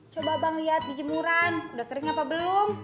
coba bang liat di jemuran udah kering apa belum